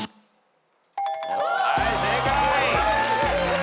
はい正解。